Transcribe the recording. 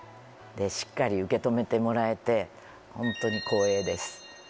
しっかり受け止めてもらえて本当に光栄です。